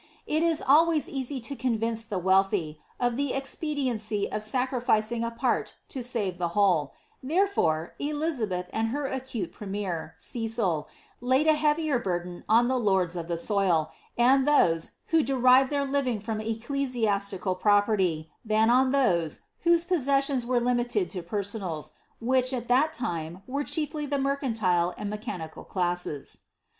It is always easy to convince the wealthy, of the expediency of sacrificing a part to save the whole ; therefore, Elizabeth and her acute premier, Cecil, laid a heavier burden OQ the lords of the soil, and those, who derived their living from eccle ■Miiml property, than on those, whose possessions were limited to psrffonals, which, at that time were chiefly the mercantile and mechani ed classes.